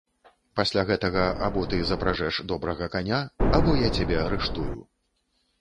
Пасля гэтага або ты запражэш добрага каня, або я цябе арыштую.